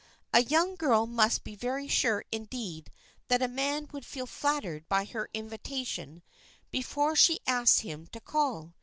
A young girl must be very sure indeed that a man would feel flattered by her invitation before she asks him to call.